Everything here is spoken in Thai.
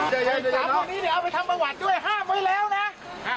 สามคนนี้เดี๋ยวเอาไปทำประวัติด้วยห้ามไว้แล้วนะ